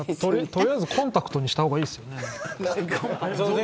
取りあえず、コンタクトにした方がいいですよね。